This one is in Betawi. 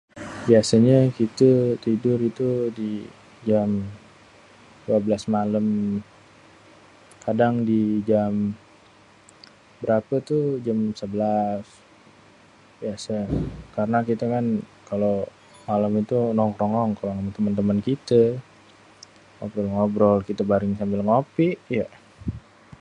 Biasanye kité tidur itu di jam dua belas malém. Kadang di jam, berapé tuh, jam sebélas, biasé. Karna kita kan kalo malém tuh nongkrong-nongkrong ama temen-temen kité. Ngobrol-ngobrol kité bareng sambil ngopi, yéé.